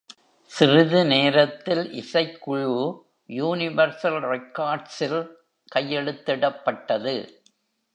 சிறிது நேரத்தில், இசைக்குழு யுனிவர்சல் ரெக்கார்ட்ஸில் கையெழுத்திடப்பட்டது.